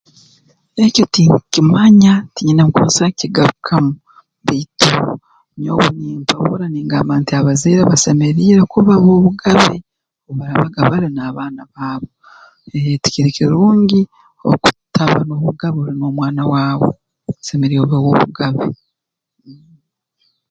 Ekyo tinkukimanya tiinyine nkooku nsobora kukugarukamu baitu nyowe nindora ngu abazaire basemeriire kuba b'obugabe obu baraabaga bali n'abaana baabo eeh tikiri kirungi okutaba n'obugabe oli n'omwana waawe osemeriire obe w'obugabe